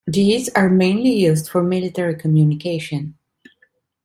These are mainly used for military communication.